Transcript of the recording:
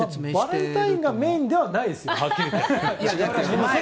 バレンタインがメインではないです。